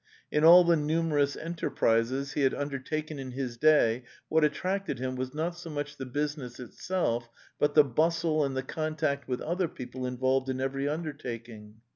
In all the numerous enterprises he had un dertaken in his day what attracted him was not so much the business itself, but the bustle and the con tact with other people involved in every undertaking.